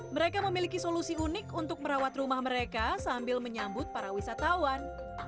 mereka memiliki solusi unik untuk merawat rumah mereka sambil menyambut para wisatawan